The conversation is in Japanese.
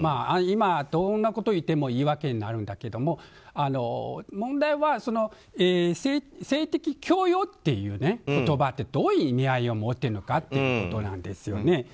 今、どんなこと言っても言い訳になるんだけど問題は性的強要っていう言葉ってどういう意味合いを持っているのかってことなんですよね。